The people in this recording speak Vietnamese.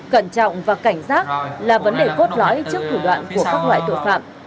cẩn trọng và cảnh giác là vấn đề cốt lõi trước thủ đoạn của các loại tội phạm